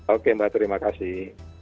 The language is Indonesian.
oke mbak terima kasih